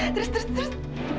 terus terus terus